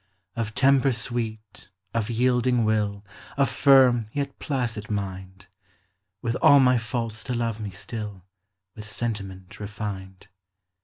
Of temper sweet, of yielding will, Of firm, yet placid mind, — With all my faults to love me still With sentiment refined.